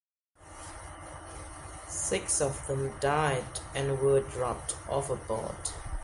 Six of them died and were dropped overboard.